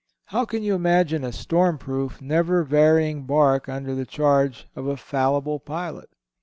How can you imagine a stormproof, never varying bark under the charge of a fallible Pilot?